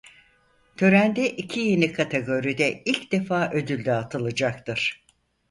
Törende iki yeni kategoride ilk defa ödül dağıtılacaktır.